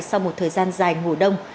sau một thời gian dài ngủ đông